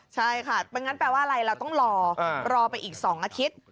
ใช่ค่ะไม่งั้นแปลว่าอะไรเราต้องรอรอไปอีก๒อาทิตย์